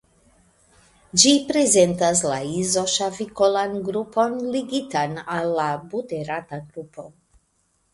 Ĝi prezentas la izoŝavikolan grupon ligitan al la buterata grupo.